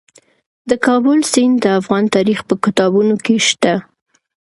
د کابل سیند د افغان تاریخ په کتابونو کې شته.